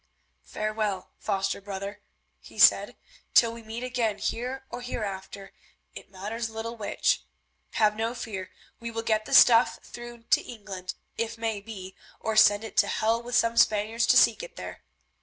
"Farewell, foster brother," he said, "till we meet again here or hereafter—it matters little which. Have no fear, we will get the stuff through to England if may be, or send it to hell with some Spaniards to seek it there.